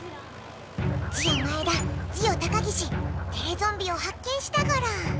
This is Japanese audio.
ジオ前田ジオ高岸テレゾンビを発見したゴロ。